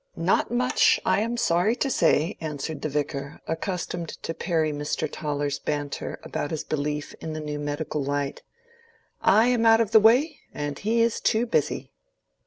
"Not much, I am sorry to say," answered the Vicar, accustomed to parry Mr. Toller's banter about his belief in the new medical light. "I am out of the way and he is too busy."